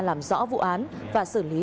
làm rõ vụ án và xử lý